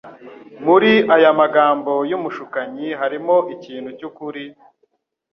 Muri aya magambo y'umushukanyi harimo ikintu cy'ukuri;